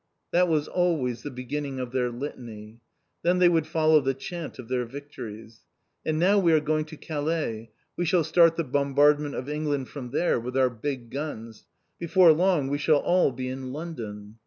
That was always the beginning of their Litany. Then they would follow the Chant of their victories. "And now we are going to Calais! We shall start the bombardment of England from there with our big guns. Before long we shall all be in London."